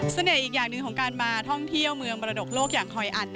อีกอย่างหนึ่งของการมาท่องเที่ยวเมืองมรดกโลกอย่างคอยอัน